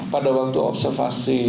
pada waktu observasi